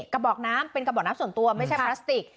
กระบอกน้ำเป็นกระบอกน้ำส่วนตัวไม่ใช่พลาสติก